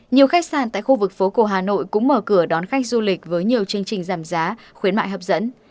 nhiều khách sạn tại khu vực phố cổ hà nội cũng mở cửa đón khách du lịch với nhiều chương trình giảm giá khuyến mại hấp dẫn